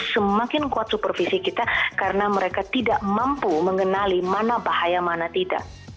semakin kuat supervisi kita karena mereka tidak mampu mengenali mana bahaya mana tidak